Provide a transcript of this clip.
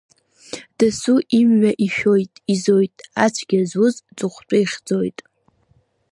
Дасу имҩа ишәоит, изоит, ацәгьа зуз ҵыхәтәа ихьӡоит.